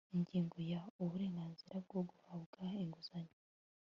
ingingo ya uburenganzira bwo guhabwa inguzanyo